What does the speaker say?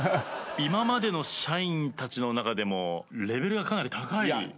今までの社員たちの中でもレベルがかなり高い。